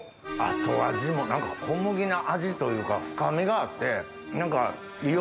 後味も何か小麦の味というか深みがあって何か。